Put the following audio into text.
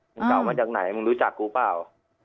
มึงกล่าวมาจากไหนมึงรู้จักกูป่าว